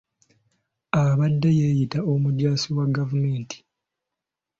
Abadde yeeyita omujaasi wa gavumenti.